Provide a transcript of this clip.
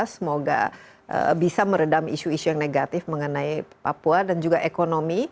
semoga bisa meredam isu isu yang negatif mengenai papua dan juga ekonomi